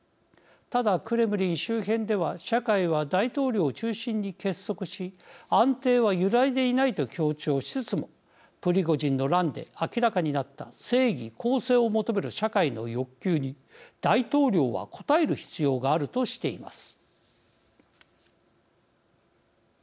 ただ、クレムリン周辺では社会は大統領を中心に結束し安定は揺らいでいないと強調しつつもプリゴジンの乱で明らかになった正義、公正を求める社会の欲求に大統領は応える必要があるとしています。